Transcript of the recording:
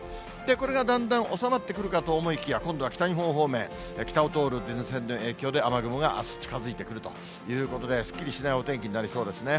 これがだんだん収まってくるかと思いきや、今度は北日本方面、北を通る前線の影響で、雨雲があす、だんだん近づいてくるということで、すっきりしないお天気になりそうですね。